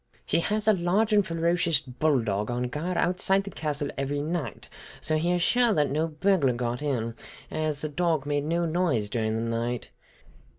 He has a large and ferocious bulldog on guard outside the castle every night, so he is sure no burglar got in, as the dog made no noise during the night.